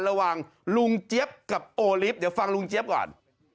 ลุงเจี๊ยบกับโอลิฟต์เดี๋ยวฟังลุงเจี๊ยบก่อน